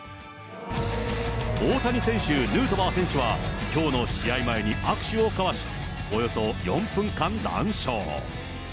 大谷選手、ヌートバー選手は、きょうの試合前に握手を交わし、およそ４分間談笑。